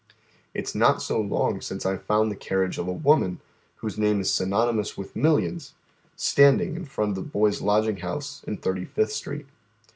It is not so long since i found the carriage of a woman, whose name is synonymous with millions, standing in front of the boys' lodging house in Thirty fifth Street.